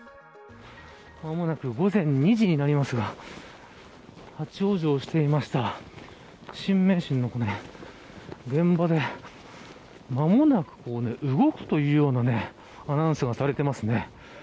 間もなく午前２時になりますが立ち往生していました新名神の現場で間もなく動くというようなアナウンスがされていますね。